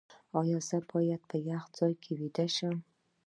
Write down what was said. ایا زه باید په یخ ځای کې ویده شم؟